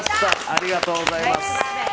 ありがとうございます。